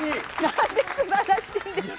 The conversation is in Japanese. なんですばらしいんですか？